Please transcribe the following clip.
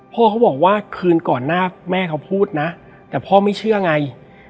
พ่อเขาบอกว่าคืนก่อนหน้าแม่เขาพูดนะแต่พ่อไม่เชื่อไง